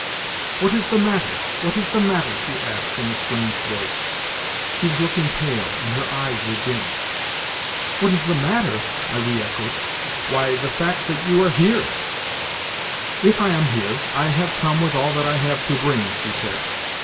"What is the matter? What is the matter?" she asked in a strange voice. She was looking pale, and her eyes were dim. "What is the matter?" I re echoed. "Why, the fact that you are here!" "If I am here, I have come with all that I have to bring," she said.